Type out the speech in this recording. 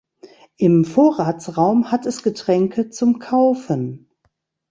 Im Vorratsraum hat es Getränke zum Kaufen.